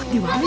di mana dia